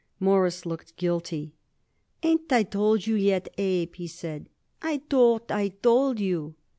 Morris looked guilty. "Ain't I told you yet, Abe?" he said. "I thought I told you."